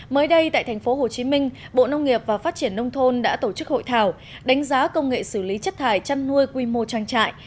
mới đây tại tp hcm bộ nông nghiệp và phát triển nông thôn đã tổ chức hội thảo đánh giá công nghệ xử lý chất thải chăn nuôi quy mô trang trại